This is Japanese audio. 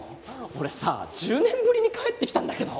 俺さ１０年ぶりに帰ってきたんだけど。